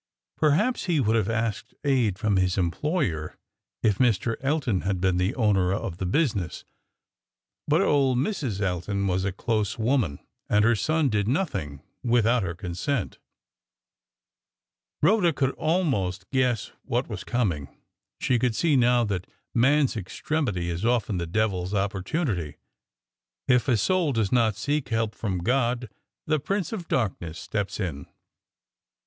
Perhaps he would have asked aid from his employer if Mr. Elton had been the owner of the business. But old Mrs. Elton was a close woman, and her son did nothing without her consent." Rhoda could almost guess what was coming. She could see now that man's extremity is often the devil's opportunity. If a soul does not seek help from God, the prince of darkness steps in.